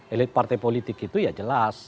elit partai politik itu ya jelas